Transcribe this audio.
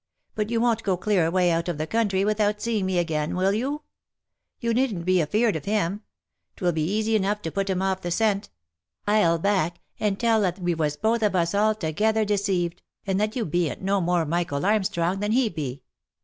But you won't go clear away out of the country without seeing me again, will you ? You needn't be feared of him, 'twill be easy enough to put him off the scent. I'll back, and tell that we was both of us altogether deceived, and that you bean't no more Michael Armstrong than he be."